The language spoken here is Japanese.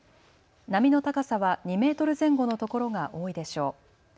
波の高さは２メートル前後の所が多いでしょう。